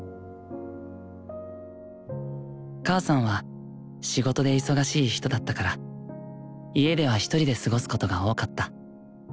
母さんは仕事で忙しい人だったから家ではひとりで過ごすことが多かった。